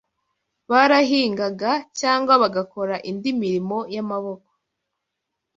Barahingaga cyangwa bagakora indi mirimo y’amaboko